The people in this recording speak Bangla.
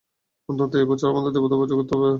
অন্তত এই বছর আমাদের দেবতার পূজা করতে হবে।